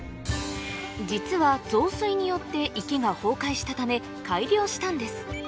実は増水によって池が崩壊したため改良したんです